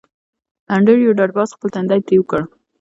انډریو ډاټ باس خپل تندی ترېو کړ